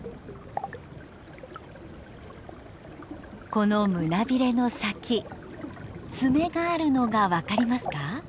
この胸びれの先爪があるのが分かりますか？